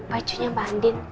pacunya mbak andin